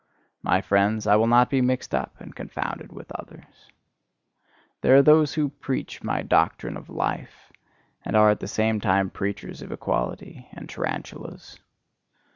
My friends, I will not be mixed up and confounded with others. There are those who preach my doctrine of life, and are at the same time preachers of equality, and tarantulas.